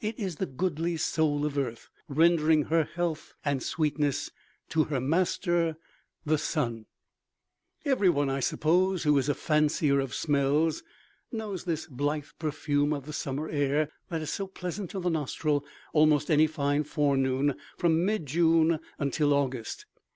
It is the goodly soul of earth, rendering her health and sweetness to her master, the sun. Every one, I suppose, who is a fancier of smells, knows this blithe perfume of the summer air that is so pleasant to the nostril almost any fine forenoon from mid June until August.